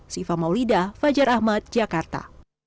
siva maulida fajar ahmad jakarta